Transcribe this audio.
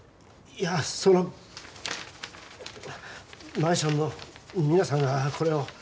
いやそのマンションの皆さんがこれを。